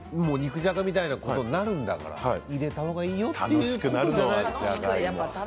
肉じゃがみたいなことになるんだから入れた方がいいよ」っていうことじゃないかなって。